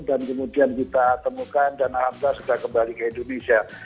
dan kemudian kita temukan dan hampir sudah kembali ke indonesia